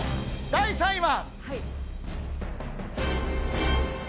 第３位は。